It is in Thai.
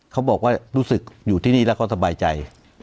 เขาบอกว่ารู้สึกอยู่ที่นี่แล้วเขาสบายใจ